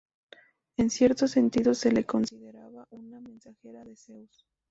En cierto sentido se la consideraba una mensajera de Zeus.